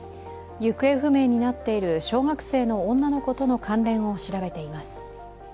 行方不明になっている小学生の女の子との関連を調べています。